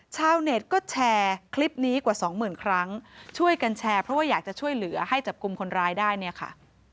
ชาวเน็ตก็แชร์คลิปนี้กว่าสองหมื่นครั้งช่วยกันแชร์เพราะว่าอยากจะช่วยเหลือให้จับกลุ่มคนร้ายได้เนี่ยค่ะ